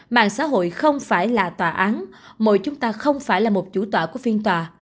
mạng xã hội không phải là tòa án mỗi chúng ta không phải là một chủ tọa của phiên tòa